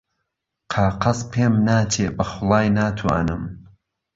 قاقەز پێم ناچێ بە خوڵای ناتوانم